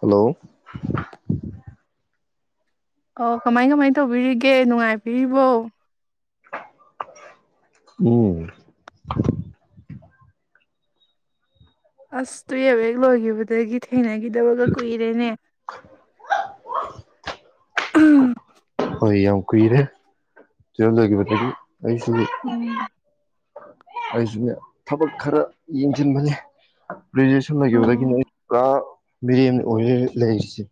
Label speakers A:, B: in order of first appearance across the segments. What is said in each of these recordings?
A: Hello [unintelligible]
B: ꯑꯣ ꯀꯃꯥꯏ ꯀꯃꯥꯏ ꯇꯧꯕꯤꯔꯤꯒꯦ ꯅꯨꯡꯉꯥꯏꯕꯤꯔꯤꯕꯣ
A: ꯎꯝ
B: ꯑꯁ ꯇꯨꯌꯦꯜ ꯋꯦꯛ ꯂꯣꯏꯈꯤꯕꯗꯒꯤ ꯊꯦꯡꯅꯈꯤꯗꯕꯒ ꯀꯨꯏꯔꯦꯅꯦ
A: ꯍꯣꯏ ꯌꯥꯎ ꯀꯅꯦꯦ ꯆꯗ ꯃ ꯑꯩ ꯁꯤꯒꯤ
B: ꯎꯝ
A: ꯑꯩꯁꯨꯅꯦ ꯊꯕꯛ ꯈꯔ ꯌꯦꯡꯁꯤꯟꯕꯅꯦ ꯒ꯭ꯔꯦꯖꯨꯌꯦꯦꯁꯟ ꯂꯩꯈꯤꯕꯗꯒꯤꯅꯤ ꯑꯩ
B: ꯑꯣ
A: ꯄꯨꯔꯥ ꯃꯤꯔ ꯑꯣꯏ ꯂꯩꯁꯤ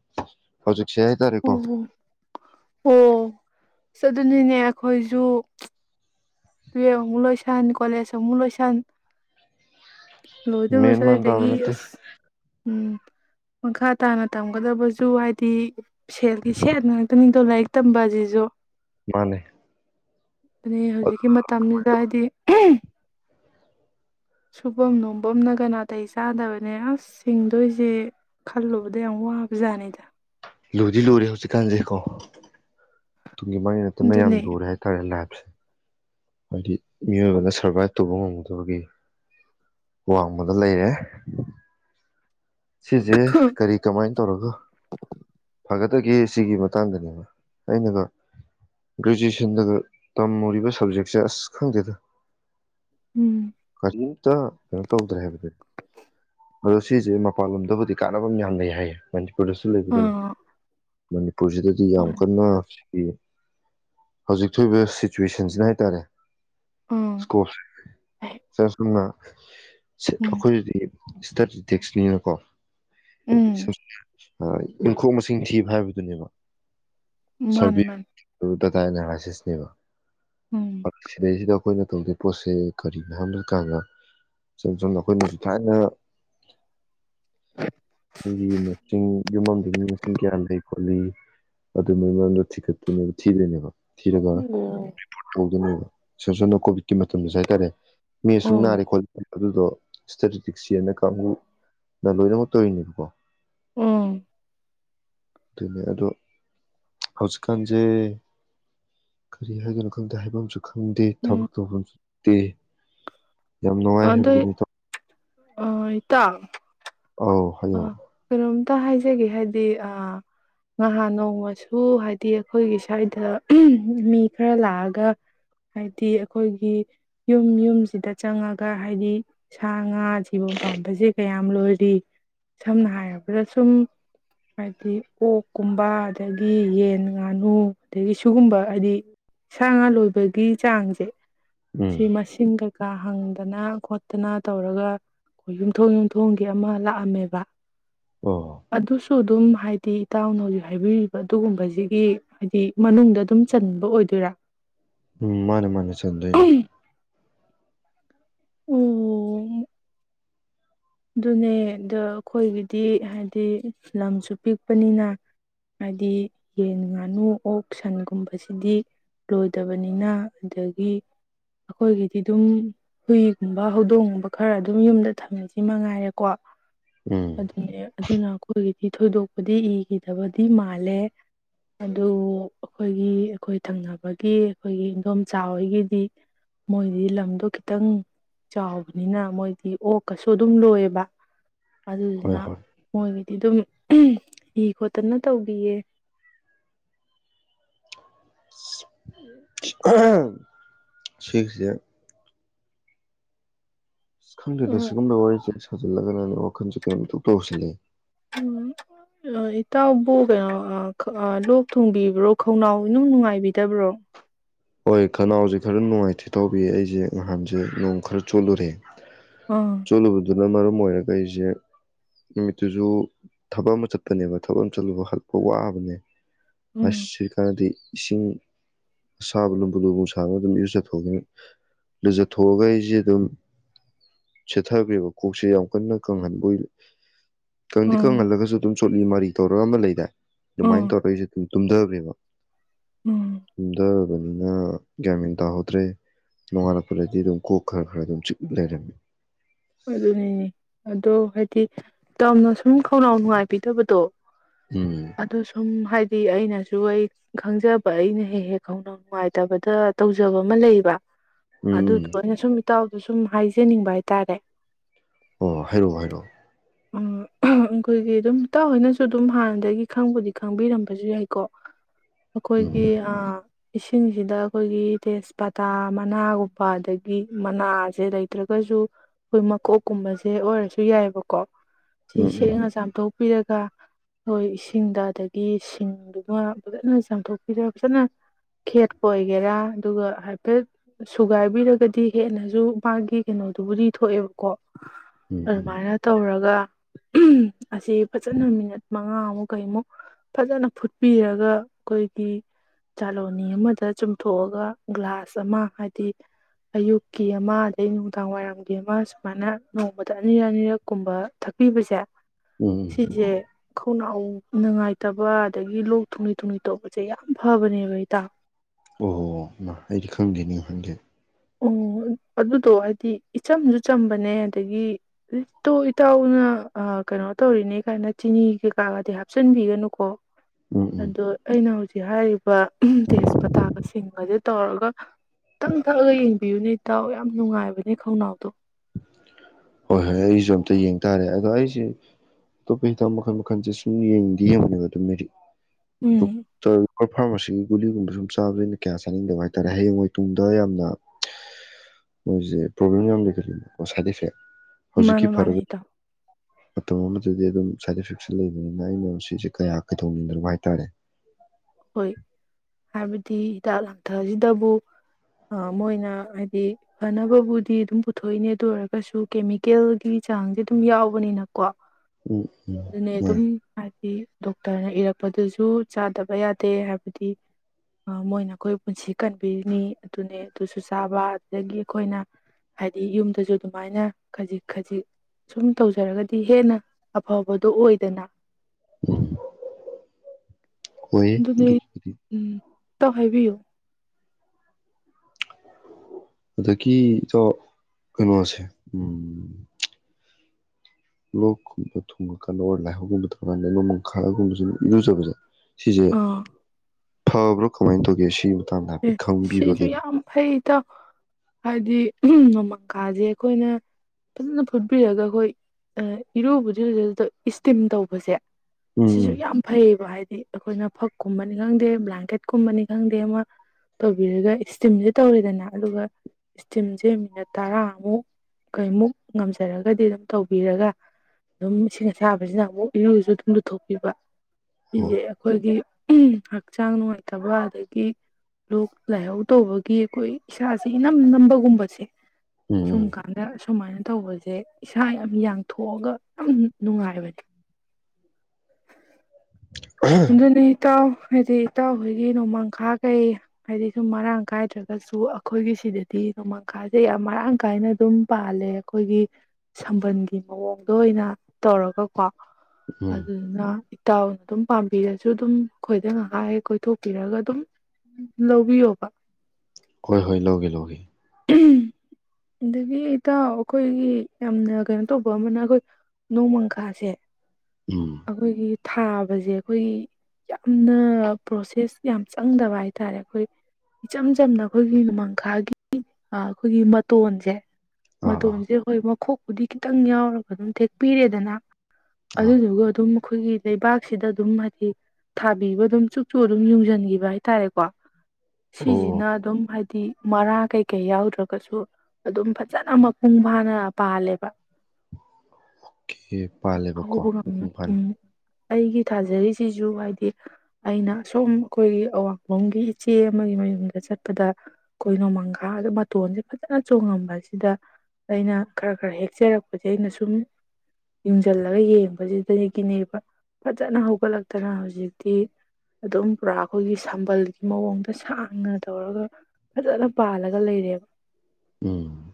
A: ꯍꯧꯖꯤ ꯆ ꯇꯔꯤꯈꯣ
B: ꯑꯣ ꯑꯗꯨꯅꯤꯅꯦ ꯑꯩꯈꯣꯏꯁꯨ ꯇꯨꯋ ꯃꯨ ꯂꯣꯏ ꯁꯥꯟ ꯀꯣꯦꯖ ꯑꯣ ꯃꯨ ꯂꯣꯏ ꯁꯥꯟ ꯂꯣꯏꯗ
A: ꯃꯦꯟ
B: ꯂꯣꯏꯁꯦ
A: ꯃꯥꯟ ꯇꯥꯕ
B: ꯊꯗꯒꯤ
A: ꯅꯠꯇꯦ
B: ꯑꯁ ꯎꯝ ꯃꯈꯥ ꯇꯥꯅ ꯇꯝꯒꯗꯕꯁꯨ ꯍꯥꯏꯗꯤ ꯁꯠ ꯁꯦꯠꯅ ꯉꯇ ꯅꯤꯡꯊꯧ ꯂꯥꯏꯔꯤꯛ ꯇꯝꯕ ꯑꯁꯤꯁꯨ
A: ꯃꯥꯅꯦ
B: ꯑ ꯍꯧꯖꯤꯛ ꯃꯇꯝꯁꯤꯗ ꯍꯥꯏꯗꯤ ꯎ ꯁꯨꯐꯝꯝ ꯅꯣꯝꯝꯕꯝꯅꯒ ꯅꯥꯇꯩ ꯆꯥꯗꯕꯅꯦ ꯑꯁ ꯁꯤꯡꯗꯣꯏꯁꯦ ꯈꯜꯂꯨꯕꯗ ꯌꯥꯝ ꯋꯥꯕ ꯖꯥꯠꯅꯤꯗ
A: ꯂꯨꯗꯤ ꯂꯨꯔꯦ ꯍꯧꯖꯤꯛꯀꯥꯟꯁꯦꯀꯣ ꯇꯨꯡꯒꯤ ꯃꯥꯥꯡꯒꯤ ꯅꯠꯇꯅ
B: ꯑꯗꯨꯅꯦ
A: ꯌꯥꯝꯨꯨꯔꯦ ꯍꯥꯏꯇꯥꯔꯦ ꯂꯑꯦ ꯍꯥꯏꯗꯤ ꯃꯤꯑꯣꯏꯕꯅ ꯁꯔꯚꯥꯏꯚ ꯇꯧꯕ ꯉꯝꯒꯗꯕꯒꯤ ꯋꯥꯡꯃꯗ ꯂꯩꯔꯦ ꯁꯤꯁꯦ ꯀꯔꯤ ꯀꯃꯥꯏꯅ ꯇꯧꯔꯒ ꯐꯒꯗꯒꯦ ꯁꯤꯒꯤ ꯃꯇꯥꯡꯗꯅꯦꯕ ꯑꯩꯅꯒ ꯒ꯭ꯔꯦꯖꯨꯑꯦꯁꯟꯗꯒ ꯇꯝꯃꯨꯔꯤꯕ ꯁꯕꯖꯦꯛꯁꯦ ꯑꯁ ꯈꯪꯗꯦꯗ
B: ꯎꯝ
A: ꯀꯔꯤꯝꯇ ꯀꯩꯅꯣ ꯇꯧꯗ꯭ꯔꯦ ꯍꯥꯏꯕꯗꯤ ꯃꯗꯨꯨꯁꯤꯁ ꯃ ꯄꯥꯜꯂꯝꯗꯕꯨꯗꯤ ꯀꯥꯟꯅꯕ ꯌꯥꯝ ꯂꯩ ꯍꯥꯏꯌꯦ ꯃꯣꯏꯗꯤ ꯀꯁꯨꯅꯕꯨꯦ
B: ꯑꯥ
A: [inaudible] ꯄꯨꯨꯔꯁꯤꯗꯗꯤ
B: ꯍꯣꯏ
A: ꯌꯥꯝ ꯀꯟꯅ ꯍꯧꯖꯤꯛ ꯊꯣꯛꯏꯕ ꯁꯤꯆꯨꯋꯦꯁꯟꯁꯤꯅ ꯍꯥꯏꯇꯥꯔꯦ
B: ꯑꯥ ꯑꯩ
A: [unintelligible] [inaudible]
B: ꯎꯝ
A: [unintelligible] ꯏꯁ ꯇꯔ ꯇꯦꯛꯁꯅꯤ [unintelligible]
B: ꯎꯝ
A: [unintelligible] ꯏꯪꯈꯣꯛ ꯃꯁꯤꯡ ꯊꯕ ꯍꯥꯏꯕꯗꯨꯅꯦꯕ
B: ꯃꯥꯅꯤ -
A: ꯁꯔꯚꯦ
B: ꯃꯥꯅꯤ꯫
A: [unintelligible] ꯁꯤꯗꯩꯁꯤꯗ ꯑꯩꯈꯣꯏꯅ ꯇꯧꯗꯔꯤꯕ ꯄꯣꯠꯁꯦ ꯀꯔꯤꯅꯣ ꯍꯥꯏꯕ ꯀꯥꯟꯗ ꯏꯆꯝ ꯁꯝꯅ ꯑꯩꯈꯣꯏꯅꯁꯨ ꯊꯥꯏꯅ ꯑꯩꯒꯤꯆꯤꯡ ꯌꯨꯝꯐꯝꯗꯨ ꯃꯤ ꯃꯁꯤꯡ ꯀꯌꯥ ꯂꯩ ꯈꯣꯠꯂꯤ ꯑꯗꯨ ꯃ ꯃꯔꯝꯗ ꯊꯤꯈꯠꯇꯣꯏꯅꯦꯕ ꯊꯤꯗ꯭ꯔꯤꯅꯦꯕ ꯊꯤꯔꯒꯥ
B: ꯑꯣ
A: ꯔꯤꯄꯣꯔꯠ꯭ ꯇꯧ [unintelligible] ꯀꯣꯚꯤꯗꯀꯤ ꯃꯇꯝꯗꯁꯨ ꯍꯥꯏꯇꯥꯔꯦ ꯃꯤ ꯑꯁꯨꯨꯝ
B: ꯑꯣ
A: ꯅꯥꯔꯦ ꯈꯣꯠꯂ ꯑꯗꯨꯗꯣ ꯏꯁꯇꯗꯤ [unintelligible] ꯅ ꯂꯣꯏꯅꯃꯛ ꯇꯧꯔꯤꯅꯦꯕꯀꯣ
B: ꯎꯝ꯫
A: ꯑꯗꯨꯅꯦ ꯑꯗꯣ ꯍꯧꯖꯤꯛꯀꯥꯟꯁꯦ ꯀꯔꯤ ꯍꯥꯏꯗꯣꯏꯅꯣ ꯈꯪꯗꯦ ꯍꯥꯏꯕꯝꯁꯨ ꯈꯪꯗꯦ
B: ꯎꯝ
A: ꯊꯕꯛ ꯇꯧꯐꯝꯁꯨ ꯇꯦ ꯌꯥꯝ ꯅꯨꯡꯉꯥꯏ ꯍꯥꯏꯕꯗꯨꯅꯤ
B: ꯑꯣ ꯏꯇꯥꯎ
A: ꯑꯧ
B: ꯑ
A: ꯍꯥꯏꯌꯣ
B: ꯀꯩꯅꯣꯝꯇ ꯍꯥꯏꯖꯒꯦ ꯍꯥꯏ ꯍꯥꯏꯗꯤ ꯑ ꯉꯍꯥ ꯅꯣꯡꯃꯁꯨ ꯍꯥꯏꯗꯤ ꯑꯩꯈꯣꯏꯒꯤ ꯁ꯭ꯋꯥꯏꯗ ꯃꯤ ꯈꯔ ꯂꯥꯛꯑꯒ ꯍꯥꯏꯗꯤ ꯑꯩꯈꯣꯏꯒꯤ ꯌꯨꯝ ꯌꯨꯝꯁꯤꯗ ꯆꯪꯉꯒ ꯍꯥꯏꯗꯤ ꯁꯥ- ꯉꯥ ꯁꯤꯕ ꯄꯥꯝꯕꯁꯦ ꯀꯌꯥꯝ ꯂꯣꯏꯔꯤ ꯁꯝꯅ ꯍꯥꯏꯔꯕꯗ ꯁꯨꯝ ꯍꯥꯏꯗꯤ ꯑꯣꯛꯀꯨꯝꯕ ꯑꯗꯒꯤ ꯌꯦꯟ ꯉꯥꯅꯨ ꯑꯗꯒꯤ ꯁꯤꯒꯨꯝꯕ ꯍꯥꯏꯗꯤ ꯁꯥ ꯉꯥ ꯂꯣꯏꯕꯒꯤ ꯆꯥꯡꯁꯦ
A: ꯎꯝ
B: ꯁꯤ ꯃꯁꯤꯡ ꯀꯩꯀꯥ ꯍꯪꯗꯅ ꯈꯣꯠꯇꯅ ꯇꯧꯔꯒ ꯑꯩꯈꯣꯏ ꯌꯨꯝꯊꯣꯡ - ꯌꯨꯝꯊꯣꯡꯒꯤ ꯑꯃ
A: ꯑꯣ
B: ꯑꯗꯨꯁꯨ ꯑꯗꯨꯝ ꯍꯥꯏꯗꯤ ꯏꯇꯥꯎꯅ ꯍꯧꯖꯤꯛ ꯍꯥꯏꯕꯤꯔꯤꯕ ꯑꯗꯨꯒꯨꯝꯕꯁꯤꯒꯤ ꯍꯥꯏꯗꯤ ꯃꯅꯨꯡꯗ ꯑꯗꯨꯝ ꯆꯟꯕ ꯑꯣꯏꯗꯣꯏꯔꯥ
A: ꯎꯝ ꯃꯥꯅꯦ ꯃꯥꯅꯦ ꯆꯟꯗꯣꯏꯅꯦ
B: ꯑꯣ ꯑꯗꯨꯅꯦ ꯑꯗ ꯑꯩꯈꯣꯏꯒꯤꯗꯤ ꯍꯥꯏꯗꯤ ꯂꯝꯁꯨ ꯄꯤꯛꯄꯅꯤꯅ ꯍꯥꯏꯗꯤ ꯌꯦꯟ ꯉꯥꯅꯨ ꯑꯣꯛ ꯁꯟꯒꯨꯝꯕꯁꯤꯗꯤ ꯂꯣꯏꯗꯕꯅꯤꯅ ꯑꯗꯒꯤ ꯑꯩꯈꯣꯏꯒꯤꯗꯤ ꯑꯗꯨꯝ ꯍꯨꯏꯒꯨꯝꯕ ꯍꯧꯗꯣꯡꯒꯨꯝꯕ ꯈꯔ ꯑꯗꯨꯝ ꯌꯨꯝꯗ ꯊꯝꯖꯩ ꯁꯤ ꯃꯉꯥꯏꯔꯦꯀꯣ
A: ꯎꯝ
B: ꯑꯗꯨꯅꯦ ꯑꯗꯨꯅ ꯑꯩꯈꯣꯏꯒꯤꯗꯤ ꯊꯣꯏꯗꯣꯛꯄꯗꯤ ꯏꯈꯤꯗꯕꯗꯤ ꯃꯥꯜꯂꯦ ꯑꯗꯨ ꯑꯩꯈꯣꯏꯒꯤ ꯑꯩꯈꯣꯏ ꯊꯪꯅꯕꯒꯤ ꯑꯩꯈꯣꯏꯒꯤ ꯏꯪꯗꯣꯝ ꯆꯥꯎꯥꯕꯣꯏꯒꯤꯗꯤ ꯃꯣꯏꯗꯤ ꯂꯝꯗꯣ ꯈꯤꯇꯪ ꯆꯥꯎꯕꯅꯤꯅ ꯃꯣꯏꯗꯤ ꯑꯣꯛꯀꯁꯨ ꯑꯗꯨꯝ ꯂꯣꯏꯌꯦꯦꯕ
A: ꯍꯣꯏ
B: ꯑꯗꯨꯅ
A: ꯍꯣꯏ
B: ꯃꯣꯕꯤ ꯑꯗꯨꯝ ꯍ ꯈꯣꯠꯇꯅ ꯇꯧꯕꯤꯌꯦ
A: ꯁꯤꯁꯦ ꯑ ꯈꯪꯗꯦꯗ ꯁꯤꯒꯨꯝꯕ ꯋꯥꯔꯤꯁꯦ ꯊꯥꯖꯤꯜꯂꯒꯅ ꯑꯅ ꯋꯥꯈꯜꯟꯁꯤ ꯀꯩꯅꯣꯝꯇꯇꯧꯁꯤꯜꯂꯦ
B: ꯏꯇꯥꯎꯕꯨ ꯀꯩꯅꯣ ꯂꯣꯛ ꯊꯨꯡꯕꯤꯕ꯭ꯔꯣ ꯈꯧꯅꯥꯎ ꯏꯅꯨꯡ ꯅꯨꯡꯉꯥꯏꯕꯤꯗꯕ꯭ꯔꯣ
A: ꯍꯣꯏ ꯈꯅꯥꯎꯁꯦ ꯈꯔ ꯅꯨꯡꯉꯥꯏꯇꯦ ꯇꯧꯕꯤ ꯑꯩꯁꯦ ꯅꯍꯥꯟꯁꯦ ꯅꯣꯡ ꯈꯔ ꯆꯣꯠꯂꯨꯔꯦ
B: ꯑꯥ
A: ꯆꯂꯣ ꯑꯗꯨꯅ ꯃꯔꯝ ꯑꯣꯏꯔꯒ ꯑꯩꯁꯦ ꯅꯨꯃꯤꯠꯇꯨꯁꯨ ꯊꯕꯛ ꯑꯃ ꯆꯠꯄꯅꯦꯕ ꯊꯕꯛ ꯑꯃ ꯆꯠꯂꯨꯕ ꯍꯛꯄ ꯋꯥꯕꯅꯦ
B: ꯎꯝ
A: ꯑꯁ ꯀꯥꯟꯗꯤ ꯏꯁꯤꯡ ꯁꯥꯕ ꯂꯨꯝꯕꯨ ꯂꯨꯕꯨ ꯁꯥꯕ ꯑꯗꯨꯝ ꯌꯨꯖꯠꯊꯣꯛꯈꯤꯕꯦꯅꯤ ꯂꯨꯖꯠꯊꯣꯛꯑꯒ ꯑꯩꯁꯦ ꯑꯗꯨꯝ ꯁꯦꯠꯊꯈ꯭ꯔꯦꯕ ꯀꯣꯛꯁꯦ ꯌꯥꯝ ꯀꯟꯅ ꯀꯪꯍꯟꯕ ꯑꯣꯏ ꯈꯪꯗꯤ
B: ꯎꯝ
A: ꯀꯪꯍꯜꯂꯒꯁꯨ ꯑꯗꯨꯝ ꯁꯣꯠꯂꯤ ꯃꯥꯔꯤ ꯇꯧꯔ ꯑꯃ ꯂꯩꯗꯥ ꯑꯗꯨꯃꯥꯏꯅ
B: ꯎꯝ
A: ꯇꯧꯔ ꯑꯩꯁꯦ ꯑꯗꯨꯝ ꯇꯨꯝꯊꯅꯦꯕ
B: ꯎꯝ
A: ꯇꯨꯝ ꯑꯗꯨꯅ ꯒ꯭ꯌꯥꯃꯤꯡ ꯇꯥꯍꯧꯗ꯭ꯔꯦ ꯅꯣꯡꯉꯥꯜꯂꯛꯄꯗꯗꯤ ꯑꯗꯨꯝ ꯀꯣꯛ ꯈꯔ ꯈꯔ ꯑꯗꯨꯝ ꯂꯩꯔꯝꯃꯤ
B: ꯑꯗꯨꯅꯤꯅꯦ ꯑꯗꯣ ꯍꯥꯏꯗꯤ ꯇꯝꯅ ꯁꯨꯝ ꯈꯧꯅꯥꯎ ꯅꯨꯡꯉꯥꯏꯕꯤꯗꯕꯗꯣ
A: ꯎꯝ
B: ꯑꯗꯣ ꯁꯨꯝ ꯍꯥꯏ ꯁꯤ ꯑꯩꯅꯁꯨ ꯑꯩ ꯈꯪꯖꯕ ꯑꯩꯅ ꯍꯦꯛ ꯍꯦꯛ ꯍꯧꯅ ꯅꯨꯡꯉꯥꯏꯇꯕꯗ ꯇꯧꯖꯕ ꯑꯃ ꯂꯩꯕ
A: ꯎꯝ ꯎꯝ
B: ꯑꯗꯨꯅ ꯁꯨꯝ ꯏꯇꯥꯎꯗꯣ ꯁꯨꯝ ꯍꯥꯏꯖꯅꯤꯡꯕ ꯍꯥꯏꯇꯥꯔꯦ
A: ꯑꯣ ꯍꯥꯏꯔꯛꯑꯣ ꯍꯥꯏꯔꯛꯑꯣ
B: ꯎꯝ ꯑꯩꯈꯣꯏꯒꯤ ꯑꯗꯨꯝꯇ ꯍꯣꯏꯅꯁꯨ ꯑꯗꯨꯝ ꯍꯥꯟꯅꯗꯒꯤ ꯈꯪꯕꯨꯗꯤ ꯈꯪꯕꯤꯔꯝꯕꯁꯨ ꯌꯥꯏꯀꯣ ꯑꯩꯈꯣꯏꯒꯤ
A: ꯎꯝ
B: ꯑ ꯏꯁꯤꯡꯁꯤꯗ ꯑꯩꯈꯣꯏꯒꯤ ꯇꯦꯖꯄꯇꯥ ꯃꯅꯥꯒꯨꯝꯕ ꯑꯗꯒꯤ ꯃꯅꯥꯁꯦ ꯂꯩꯇ꯭ꯔꯒꯁꯨ ꯑꯩꯈꯣꯏ ꯃꯀꯣꯛꯀꯨꯝꯕꯁꯦ ꯑꯣꯏꯔꯁꯨ ꯌꯥꯏꯑꯕꯀꯣ ꯁꯤ
A: ꯎꯝ
B: ꯁꯦꯡꯅ ꯆꯥꯝꯊꯣꯛꯄꯤꯔꯒ ꯍꯈꯣꯏ ꯏꯁꯤꯡꯗ ꯑꯗꯒꯤ ꯁꯤꯡꯗꯨꯒ ꯐꯖꯅ ꯆꯥꯝꯊꯣꯛꯄꯤꯔꯒ ꯐꯖꯅ ꯈꯦꯠꯄ ꯑꯣꯏꯒꯦꯔꯥ ꯑꯗꯨꯒ ꯍꯥꯏꯐꯦꯠ ꯁꯨꯒꯥꯏꯕꯤꯔꯒꯗꯤ ꯍꯦꯟꯅꯁꯨ ꯃꯥꯒꯤ ꯀꯩꯅꯣꯗꯨꯕꯨꯗꯤ ꯊꯣꯛꯑꯦꯕꯀꯣ
A: ꯎꯝ
B: ꯑꯗꯨꯃꯥꯏꯅ ꯇꯧꯔꯒ ꯑꯁꯤ ꯐꯖꯅ ꯃꯤꯅꯠ ꯃꯉꯥꯃꯨꯛ ꯀꯩꯃꯨꯛ ꯐꯖꯅ ꯐꯨꯠꯄꯤꯔꯒ ꯑꯩꯈꯣꯏꯒꯤ ꯆꯥꯂꯣꯅꯤ ꯑꯃꯗ ꯆꯨꯝꯊꯣꯛꯑꯒ ꯒ꯭ꯂꯥꯁ ꯑꯃ ꯍꯥꯏꯗꯤ ꯑꯌꯨꯛꯀꯤ ꯑꯃ ꯑꯗꯩ ꯅꯨꯡꯗꯥꯡ ꯋꯥꯏꯔꯝ ꯕꯤ ꯑꯃ ꯁꯨꯃꯥꯏꯅ ꯅꯣꯡꯃꯗ ꯑꯅꯤꯔꯛ ꯑꯅꯤꯔꯛ ꯀꯨꯝꯕ ꯊꯛꯄꯤꯕꯁꯦ
A: ꯎꯝ ꯎꯝ ꯎꯝ
B: ꯁꯤꯖꯦ ꯀꯅꯥꯎ ꯅꯨꯡꯉꯥꯏꯇꯕ ꯑꯗꯒꯤ ꯂꯣꯛ ꯊꯨꯡꯅꯤꯡ ꯊꯨꯡꯅꯤꯡ ꯇꯧꯕꯁꯦ ꯌꯥꯝ ꯐꯕꯅꯦꯕ ꯏꯇꯥ
A: ꯑꯣꯍꯣ ꯑꯩꯗꯤ ꯈꯪꯗꯦ ꯅꯤꯡ ꯈꯪꯒꯦ
B: ꯑꯣ ꯑꯗꯨꯗꯣ ꯍꯥꯏꯗꯤ ꯏꯆꯝꯁꯨ ꯆꯝꯕꯅꯦ ꯑꯗꯒꯤ ꯏꯇꯣ ꯏꯇꯥꯎꯅ ꯀꯩꯅꯣ ꯇꯧꯔꯤꯅꯦ ꯀꯥꯏꯅ ꯆꯤꯅꯤ ꯀꯩꯀꯥꯒꯗꯤ ꯍꯥꯞꯆꯤꯟꯕꯤꯒꯅꯨꯀꯣ
A: ꯎꯝ ꯎꯝ
B: ꯑꯗꯣ ꯑꯩꯅ ꯍꯧꯖꯤꯛ ꯍꯥꯏꯔꯤꯕ ꯇꯦꯖꯄꯇꯥꯒꯁꯤꯡꯒꯁꯦ ꯇꯧꯔꯒ ꯈꯤꯇꯪ ꯊꯛꯑꯒ ꯌꯦꯡꯕꯤꯌꯨꯅꯦ ꯏꯇꯥꯎ ꯌꯥꯝ ꯅꯨꯡꯉꯥꯏꯕꯅꯦ ꯈꯧꯅꯥꯎꯗꯣ
A: ꯍꯣꯏ ꯍꯣꯏ ꯑꯩꯁꯨ ꯑꯝꯇ ꯌꯦꯡ ꯇꯥꯔꯦ ꯑꯗꯣ ꯑꯩꯁꯦ ꯑꯇꯣꯞꯄ ꯍꯤꯇꯥꯛ ꯃꯈꯜ ꯃꯈꯜꯁꯦ ꯁꯨꯝ ꯌꯦꯡꯗꯤ ꯌꯦꯡꯅꯦꯕ ꯑꯗꯨꯝꯔꯤ
B: ꯎꯝ
A: ꯣꯛꯛꯇ ꯑꯩꯈꯣꯏ ꯐꯥꯔꯃꯥꯁꯤꯒꯤ ꯒꯨꯂꯤꯒꯨꯝꯕ ꯁꯨꯝ ꯆꯥꯕꯕꯁꯤꯅ ꯀꯌꯥ ꯆꯥꯅꯤꯡꯗꯕ ꯍꯥꯏꯇꯥꯔꯦ ꯍꯌꯦꯡ ꯍꯣꯏ ꯇꯨꯡꯗ ꯌꯥꯝꯅ ꯃꯣꯏꯁꯦ ꯄ꯭ꯔꯣꯕ꯭ꯂꯦꯝ ꯌꯥꯝ ꯂꯩꯈꯜꯂꯤꯕꯀꯣ ꯁꯥꯏꯠ ꯏꯐꯦꯛ
B: ꯃꯥꯅꯦ
A: ꯍꯧꯖꯤꯛꯀꯤ
B: ꯃꯥꯅꯦ
A: ꯐꯔꯒ
B: ꯏꯇ
A: ꯃꯇꯝ ꯑꯃꯗꯗꯤ ꯑꯗꯨꯝ ꯁꯥꯏꯠ ꯏꯐꯦꯛꯁ ꯂꯩꯕꯅꯤꯅ ꯑꯩꯅ ꯃꯁꯤꯁꯦ ꯀꯌꯥ ꯀꯥꯏꯊꯣꯛꯃꯤꯟꯅꯔꯨꯕ ꯍꯥꯏꯇꯥꯔꯦ
B: ꯍꯣꯏ ꯍꯥꯏꯕꯗꯤ ꯍꯤꯗꯥꯛ ꯂꯥꯡꯊꯛꯁꯤꯗꯕꯨ ꯃꯣꯏꯅ ꯍꯥꯏꯗꯤ ꯐꯅꯕꯕꯨꯗꯤ ꯑꯗꯨꯝ ꯄꯨꯊꯣꯛꯏꯅꯦ ꯑꯗꯨ ꯑꯣꯏꯔꯒꯁꯨ ꯀꯦꯃꯤꯀꯦꯜꯒꯤ ꯆꯥꯡꯁꯦ ꯑꯗꯨꯝ ꯌꯥꯎꯕꯅꯤꯅ ꯀꯣ
A: ꯎꯝ ꯎꯝ
B: ꯑꯗꯨꯅꯦ
A: ꯍꯣꯏ
B: ꯑꯗꯨꯝ ꯍꯥꯏꯗꯤ ꯗꯣꯛꯇꯔꯅ ꯏꯔꯛꯄꯗꯁꯨ ꯆꯥꯗꯕ ꯌꯥꯗ ꯐ ꯇꯦ ꯍꯥꯏꯕꯗꯤ ꯃꯣꯏꯅ ꯑꯩꯈꯣꯏ ꯄꯨꯟꯁꯤ ꯀꯟꯕꯤꯅꯤ ꯑꯗꯨꯅꯦ ꯑꯗꯨꯁꯨ ꯆꯥꯕ ꯑꯗꯨꯗꯒꯤ ꯑꯩꯈꯣꯏꯅ ꯍꯥꯏꯗꯤ ꯌꯨꯝꯗꯁꯨ ꯑꯗꯨꯃꯥꯏꯅ ꯈꯖꯤꯛ ꯈꯖꯤꯛ ꯁꯨꯝ ꯇꯧꯖꯔꯒꯗꯤ ꯍꯦꯟꯅ ꯑꯐꯕꯗꯨꯣ ꯑꯣꯏꯗꯅ
A: ꯍ
B: ꯇ ꯍꯥꯏꯕꯤꯌꯨ
A: ꯑꯗꯗꯒꯤ ꯆ ꯀꯩꯅꯣ ꯑꯁꯦ ꯎꯝ ꯂꯣꯛꯀꯨꯝꯕ ꯊꯨꯡꯉꯀꯥꯟꯗ ꯑꯣꯔ ꯂꯥꯏꯍꯧꯒꯨꯝꯕ ꯊꯧꯀꯥꯟꯗ ꯅꯣꯡꯃꯪ ꯈꯥꯔꯒꯨꯝꯕꯁꯨ ꯑꯗꯨꯝ ꯏꯔꯨꯖꯕꯁꯦ ꯁꯤꯖꯦ
B: ꯑꯥ
A: ꯐꯕ꯭ꯔꯣ ꯀꯃ ꯇꯧ ꯀꯦꯁꯤ
B: ꯑꯦ ꯁꯤꯁꯨ ꯌꯥꯝ ꯐꯩ ꯇꯥꯎ ꯍꯥꯏꯗꯤ ꯅꯃꯪꯀꯥꯁꯦ ꯑꯩꯈꯣꯏꯅ ꯐꯖꯅ ꯐꯨꯠꯕꯤꯔꯒ ꯑꯩꯈꯣꯏ ꯏꯔꯨꯕꯗꯤꯨꯗ ꯏꯁꯇꯤꯝ ꯇꯧꯕꯁꯦ
A: ꯎꯝ
B: ꯁꯤꯁꯨ
A: ꯎꯝ
B: ꯌꯥꯝ ꯐꯩꯌꯦꯕ ꯍꯥꯏꯗꯤ ꯑꯩꯈꯣꯏꯅ ꯐꯛꯀꯨꯝꯕꯅꯤ ꯈꯪꯗꯦ ꯕ꯭ꯂꯥꯡꯀꯦꯠꯀꯨꯝꯕꯅꯤ ꯈꯪꯗꯦ ꯑꯃꯥ ꯇꯧꯕꯤꯔꯒ ꯏꯁꯇꯤꯝꯁꯦ ꯇꯧꯔꯦꯗꯅ ꯑꯗꯨꯒ ꯏꯁꯇꯤꯝꯁꯦ ꯃꯤꯅꯠ ꯇꯔꯥꯃꯨꯛ ꯀꯩꯃꯨꯛ ꯉꯝꯖꯔꯒꯗꯤ ꯑꯗꯨꯝ ꯇꯧꯕꯤꯔꯒ ꯑꯗꯨꯝ ꯏꯁꯤꯡ ꯑꯁꯥꯕꯁꯤꯅ ꯑꯃꯨꯛ ꯏꯔꯨꯁꯨ ꯑꯗꯨꯝ ꯂꯨꯊꯣꯛꯄꯤꯕ
A: ꯑꯣ
B: ꯁꯤꯁꯦ ꯑꯩꯈꯣꯏꯒꯤ ꯎ ꯍꯛꯆꯥꯡ ꯅꯨꯡꯉꯥꯏꯇꯕ ꯑꯗꯒꯤ ꯂꯣꯛ ꯂꯥꯏꯍꯧ ꯇꯧꯕꯒꯤ ꯑꯩꯈꯣꯏ ꯏꯁꯥꯁꯦ ꯏꯅꯝ ꯅꯝꯕꯒꯨꯝꯕꯁꯦ
A: ꯎꯝ
B: ꯁꯨꯝꯀꯥꯟꯗ ꯁꯨꯃꯥꯏꯅ ꯇꯧꯕꯁꯦ ꯏꯁꯥ ꯌꯥꯝ ꯌꯥꯡꯊꯣꯛꯑꯒ ꯌꯥꯝ ꯅꯨꯡꯉꯥꯏꯕꯅꯦ ꯑꯗꯨꯅꯤ ꯏꯇꯥꯎ ꯍꯥꯏꯗꯤ ꯏꯇꯥꯎꯈꯣꯏꯒꯤ ꯅꯣꯡꯃꯥꯡꯈꯥ ꯀꯩ ꯍꯥꯏꯗꯤ ꯁꯨꯝ ꯃꯔꯥꯡ ꯀꯥꯏꯗ꯭ꯔꯒꯁꯨ ꯑꯩꯈꯣꯏꯒꯤ ꯁꯤꯗꯗꯤ ꯅꯣꯡꯃꯥꯡꯈꯥꯁꯦ ꯌꯥꯝ ꯃꯔꯥꯡ ꯀꯥꯏꯅ ꯑꯗꯨꯝ ꯄꯥꯜꯂꯦ ꯑꯩꯈꯣꯏꯒꯤ ꯁꯝꯕꯜꯒꯤ ꯃꯑꯣꯡꯗ ꯑꯣꯏꯅ ꯇꯧꯔꯒꯀꯣ
A: ꯎꯝ ꯎꯝ
B: ꯑꯗꯨꯅ ꯏꯠꯇꯥꯎꯅ ꯄꯥꯝꯕꯤꯗꯁꯨ ꯑꯗꯨꯝ ꯑꯩꯈꯣꯏꯗ ꯉꯥꯏꯍꯥꯏ ꯀꯣꯏꯊꯣꯛꯄꯤꯔꯒ ꯑꯗꯨꯝ ꯂꯧꯕꯤꯌꯣꯕ
A: ꯍꯣꯏ ꯍꯣꯏ ꯂꯧꯒꯦ ꯂꯧꯒꯦ
B: ꯑꯗꯒꯤ ꯏꯇꯥꯎ ꯑꯩꯈꯣꯏꯒꯤ ꯌꯥꯝꯅ ꯀꯩꯅꯣ ꯇꯧꯕ ꯑꯃꯅ ꯑꯩꯈꯣꯏ ꯅꯣꯡꯃꯪꯈꯥꯁꯦ
A: ꯎꯝ
B: ꯑꯩꯈꯣꯏꯒꯤ ꯊꯥꯕꯁꯦ ꯑꯩꯈꯣꯏꯒꯤ ꯌꯥꯝꯅ ꯄ꯭ꯔꯣꯁꯦꯁ ꯌꯥꯝ ꯆꯪꯗꯕ ꯍꯥꯏꯇꯥꯔꯦ ꯑꯩꯈꯣꯏ ꯏꯆꯝ ꯆꯝꯅ ꯑꯩꯈꯣꯏꯒꯤ ꯅꯃꯥꯡꯈꯥꯒꯤ ꯑꯥ ꯑꯈꯣꯏꯒꯤ ꯃꯇꯣꯟꯖꯦ
A: ꯑꯥ ꯑꯥ
B: ꯃꯇꯣꯟꯖꯦ ꯍꯣꯏ ꯃꯈꯣꯛꯄꯨꯗꯤ ꯈꯤꯇꯪ ꯌꯥꯎꯔꯒ ꯑꯗꯨꯝ ꯊꯦꯛꯄꯤꯔꯦꯗꯅꯥ
A: ꯑꯥ
B: ꯑꯗꯨꯗꯨꯒ ꯑꯗꯨꯝ ꯑꯈꯣꯏꯒꯤ ꯂꯩꯕꯥꯛꯁꯤꯗ ꯑꯗꯨꯝ ꯍꯥꯏꯗꯤ ꯊꯥꯕꯤꯕ ꯑꯗꯨꯝ ꯆꯨꯛ ꯆꯨ ꯑꯗꯨꯝ ꯌꯨꯡꯖꯟꯒꯤꯕ ꯍꯥꯏꯇꯥꯔꯦꯀꯣ꯫
A: ꯑꯣ
B: ꯁꯤꯖꯤꯅ ꯑꯗꯨꯝ ꯍꯥꯏ ꯇꯤ ꯃꯔꯥꯡ ꯀꯩ ꯀꯩ ꯌꯥꯎꯗ꯭ꯔꯒꯁꯨ ꯑꯗꯨꯝ ꯐꯖꯅ ꯃꯄꯨꯡ ꯐꯥꯅ ꯄꯥꯜꯂꯦꯕ꯫
A: ꯀꯦ ꯄꯥꯜꯂꯦꯕꯀꯣ
B: ꯍꯧꯕ
A: ꯃꯄꯨꯡ ꯐꯥꯅ꯫
B: ꯉꯝꯃꯦ ꯑꯩꯒꯤ ꯊꯥꯖꯔꯤꯁꯤꯖꯨ ꯍꯥꯏꯗꯤ ꯑꯩꯅ ꯑꯁꯨꯝ ꯑꯈꯣꯏꯒꯤ ꯑꯋꯥꯡꯂꯣꯝꯒꯤ ꯏꯆꯦ ꯑꯃꯒꯤ ꯃꯌꯨꯝꯗ ꯆꯠꯄꯗ ꯑꯈꯣꯏ ꯅꯣꯡꯃꯥꯡꯒ ꯈꯥꯗ ꯃꯇꯣꯟꯖꯦ ꯐꯖꯅ ꯆꯣꯡꯉꯝꯕꯖꯤꯗ ꯑꯩꯅ ꯈꯔ ꯈꯔ ꯍꯦꯛꯆꯔꯛꯄꯖꯦ ꯑꯩꯅ ꯁꯨꯝ ꯌꯦꯡꯖꯜꯂꯒ ꯌꯦꯡꯕꯖꯤꯗꯒꯤꯅꯦꯕ ꯐꯖꯅ ꯍꯧꯒꯠꯂꯛꯇꯅ ꯍꯨꯖꯤꯛꯇꯤ ꯑꯗꯨꯝ ꯄꯨꯔꯥ ꯑꯈꯣꯏꯒꯤ ꯁꯝꯕꯜꯒꯤ ꯃꯋꯣꯡꯗ ꯁꯥꯡꯅ ꯇꯧꯔꯒ ꯐꯖꯅ ꯄꯥꯜꯂꯒ ꯂꯩꯔꯦꯕ꯫
A: ꯎꯝ꯫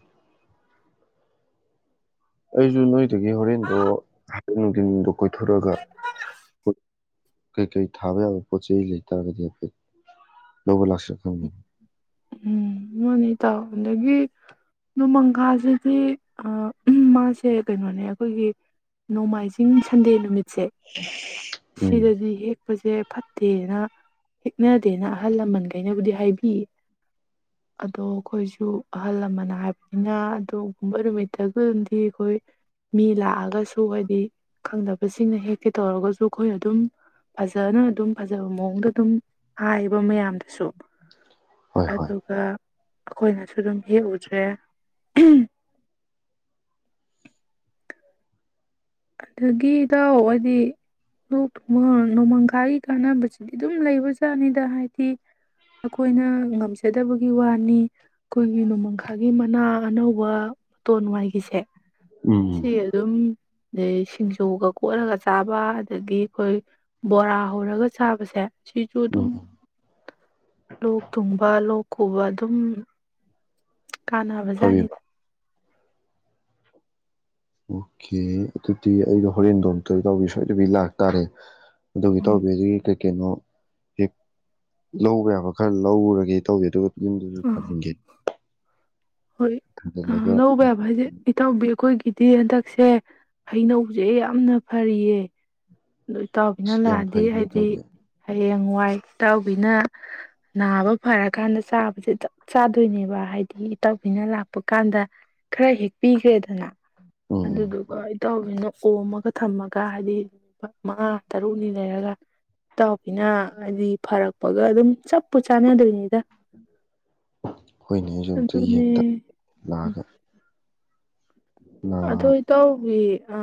A: ꯑꯩꯖꯨ ꯅꯣꯏꯗꯒꯤ ꯍꯣꯔꯦꯟꯗꯣ ꯍꯥꯏꯐꯦꯠ ꯅꯨꯡꯗꯤꯟꯗꯣ ꯀꯣꯏꯊꯣꯔꯛꯑꯒ ꯀꯩꯀꯩ ꯊꯥꯕ ꯌꯥꯕ ꯄꯣꯠ ꯆꯩ ꯂꯩꯇꯥꯔꯒꯗꯤ ꯍꯥꯏꯐꯦꯠ ꯂꯧꯕ ꯂꯥꯛꯁꯤꯔꯥ ꯈꯪꯗꯦꯅꯦ꯫
B: ꯇꯧ ꯑꯗꯒꯤ ꯅꯣꯡꯃꯪꯈꯥꯖꯤꯗꯤ ꯑꯥ ꯎꯝ ꯃꯥꯁꯦ ꯀꯩꯅꯣꯅꯦ ꯑꯈꯣꯏꯒꯤ ꯅꯣꯡꯃꯥꯏꯖꯤꯡ ꯁꯟꯗꯦ ꯅꯨꯃꯤꯠ ꯁꯦ
A: ꯎꯝ
B: ꯁꯤꯗꯗꯤ ꯍꯦꯛꯄꯖꯦ ꯐꯠꯇꯦꯅ ꯍꯤꯛꯅꯗꯦꯅ ꯑꯍꯜ ꯂꯃꯟꯒꯩꯅꯕꯨꯗꯤ ꯍꯥꯏꯕꯤꯌꯦ꯫ ꯑꯗꯣ ꯑꯩꯈꯣꯏꯁꯨ ꯑꯍꯜ ꯂꯃꯟ ꯍꯥꯏꯕꯅꯤꯅ ꯑꯗꯨꯒꯨꯝꯕ ꯅꯨꯃꯤꯠꯇꯒꯗꯤ ꯑꯩꯈꯣꯏ ꯃꯤ ꯂꯥꯛꯑꯒꯁꯨ ꯍꯥꯏꯗꯤ ꯈꯪꯗꯕꯁꯤꯡꯅ ꯍꯦꯛꯀꯦ ꯇꯧꯔꯒꯁꯨ ꯑꯩꯈꯣꯏ ꯑꯗꯨꯝ ꯐꯖꯅ ꯑꯗꯨꯝ ꯐꯖꯕ ꯃꯑꯣꯡꯗ ꯑꯗꯨꯝ ꯍꯥꯏꯌꯦꯕ ꯃꯌꯥꯝꯗꯨꯁꯨ
A: ꯍꯣꯏ ꯍꯣꯏ
B: ꯑꯗꯨꯒ ꯑꯩꯈꯣꯏꯅꯁꯨ ꯑꯗꯨꯝ ꯍꯦꯛꯎꯗ꯭ꯔꯦ ꯑꯗꯒꯤ ꯏꯇꯎ ꯍꯥꯏꯗꯤ ꯂꯣꯛ ꯊ ꯅꯣꯡꯃꯪꯈꯥꯒꯤ ꯀꯥꯟꯅꯕꯁꯤꯗꯤ ꯑꯗꯨꯝ ꯂꯩꯕꯖꯥꯠꯅꯤꯗ ꯍꯥꯏꯗꯤ ꯑꯩꯈꯣꯏꯅ ꯉꯝꯖꯗꯕꯒꯤ ꯋꯥꯅꯤ ꯑꯩꯈꯣꯏꯒꯤ ꯅꯣꯡꯃꯪꯈꯥꯒꯤ ꯃꯅꯥ ꯑꯅꯧꯕ ꯃꯇꯣꯟ ꯋꯥꯏꯒꯤꯁꯦ
A: ꯎꯝ ꯎꯝ
B: ꯁꯤ ꯑꯗꯨꯝ ꯑꯗꯩ ꯁꯤꯡꯖꯨꯒ ꯀꯣꯠꯂꯒ ꯆꯥꯕ ꯑꯗꯒꯤ ꯑꯩꯈꯣꯏ ꯕꯣꯔꯥ ꯍꯧꯔꯒ ꯆꯥꯕꯁꯦ ꯁꯤꯁꯨ
A: ꯎꯝ
B: ꯑꯗꯨꯝ
A: ꯎꯝ
B: ꯂꯣꯛ ꯊꯨꯡꯕ ꯂꯣꯛ ꯈꯨꯕ ꯑꯗꯨꯝ ꯀꯥꯟꯅꯕ
A: ꯐꯕꯤꯌꯨ
B: ꯖꯥꯠꯅꯤꯗ
A: ꯑꯣꯀꯦ ꯑꯗꯨꯗꯤ ꯑꯩꯗꯣ ꯍꯣꯔꯦꯟ ꯗꯣꯟꯇꯁꯗ ꯂꯥꯛꯇꯥꯔꯦ ꯑꯗꯨꯒꯤ ꯇꯧꯕꯤ ꯑꯗꯨꯒꯤꯩ ꯀꯩꯅꯣ ꯍꯦꯛ ꯂꯧꯕ ꯌꯥꯕ ꯈꯔ ꯂꯧꯔꯒꯦ ꯇꯧꯋꯤ ꯑꯗꯨꯒ ꯌꯨꯝꯗꯁꯨ
B: ꯑ
A: ꯊꯥꯖꯤꯟꯒꯦ
B: ꯍꯣꯏ ꯑ
A: ꯊꯥꯖꯤꯜꯂꯒ
B: ꯂꯧꯕꯧꯕꯕꯥꯏꯁꯦ ꯏꯇꯥꯎꯕꯣꯏꯒꯗꯦ ꯁꯦ ꯍꯩꯅꯧꯁꯦ ꯌꯥꯝꯅ ꯐꯔꯤꯌꯦ ꯑꯗꯨ ꯏꯇꯥꯎꯕꯤꯅ
A: ꯑꯁ ꯌꯥꯝ
B: ꯂꯥꯛꯑꯗꯤ
A: ꯐꯩꯅꯦ
B: ꯍꯥꯏꯗꯤ
A: ꯏꯇꯥꯎꯕꯤ
B: ꯍꯌꯦꯡ ꯋꯥꯏ ꯏꯇꯥꯎꯕꯤꯅ ꯅꯥꯕ ꯐꯔꯀꯥꯟꯗ ꯆꯥꯕꯁꯦ ꯆꯞ ꯆꯥꯗꯣꯏꯅꯦꯕ ꯍꯥꯏꯗꯤ ꯏꯇꯥꯎꯕꯤꯅ ꯂꯥꯛꯄ ꯀꯥꯟꯗ ꯈꯔ ꯍꯦꯛꯄꯤꯈ꯭ꯔꯦꯗ ꯑꯗꯨꯅ
A: ꯎꯝ ꯎꯝ
B: ꯑꯗꯨꯗꯨꯒ ꯑꯩ ꯇꯧꯔꯤꯅꯣ ꯀꯣꯝꯃꯒ ꯊꯝꯃꯒ ꯍꯥꯏꯗꯤ ꯃꯉꯥ ꯇꯔꯨꯛꯅꯤ ꯂꯩꯔꯒ ꯏꯇꯥꯎꯕꯤꯅ ꯍꯥꯏꯗꯤ ꯐꯔꯛꯄꯒ ꯑꯗꯨꯝ ꯆꯞꯄꯨ ꯆꯥꯟꯅꯗꯣꯏꯅꯤꯗ
A: ꯍꯣꯏꯅꯦ ꯑꯩꯁꯨ ꯑꯝꯇ
B: ꯑꯗꯨꯅꯦ
A: ꯌꯦꯡꯗ ꯂꯥꯛꯑꯒ [unintelligible]
B: ꯑꯗꯨ ꯏ ꯇꯥꯎꯋ ꯑ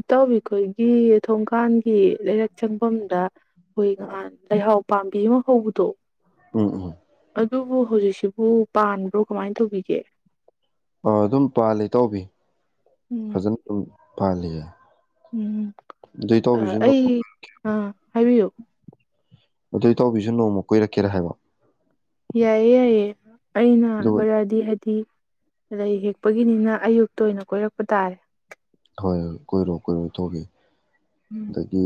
B: ꯏꯇꯥꯎꯕꯤꯈꯣꯏꯒꯤ ꯊꯣꯡꯀꯥꯟꯒꯤ ꯂꯩꯔꯛ ꯆꯪꯐꯝꯗ ꯍꯣꯏꯒ ꯍ ꯂꯩꯍꯥꯎ ꯄꯥꯝꯕꯤ ꯑꯃ ꯍꯧꯕꯗꯣ
A: ꯎꯝ ꯎ
B: ꯑꯗꯨꯕꯨ ꯍꯧꯖꯤꯛꯁꯤꯕꯨ ꯄꯥꯟꯕ꯭ꯔꯣ ꯀꯃꯥꯏꯅ ꯇꯧꯕꯤꯒꯦ
A: ꯑ ꯑꯗꯨꯝ ꯄꯥꯜꯂꯤ ꯏꯇꯥꯎꯕꯤ ꯐꯖꯅ ꯄꯥꯜꯂꯤ
B: ꯎꯝꯝ ꯑ
A: ꯅꯣꯡ
B: ꯑꯩ ꯑ ꯍꯥꯏꯕꯤꯌꯨ
A: ꯑꯗꯨꯏ ꯇꯥꯎꯕꯤꯁꯨ ꯅꯣꯡꯃ ꯀꯣꯏꯔꯛꯀꯦꯔ ꯍꯥꯏꯕ
B: ꯌꯥꯏꯌꯦ ꯌꯥꯏꯌꯦ ꯑꯩꯅ
A: ꯑꯗꯨꯒ
B: ꯑꯩꯈꯣꯏꯗꯗꯤ ꯂꯩ ꯍꯦꯛꯄꯒꯤꯅꯤꯅ ꯑꯌꯨꯛꯇ ꯑꯣꯏꯅ ꯀꯣꯏꯔꯛꯄ ꯇꯥꯔꯦ
A: ꯊꯣꯛꯒꯦ
B: ꯎꯝ
A: ꯑꯗꯒꯤ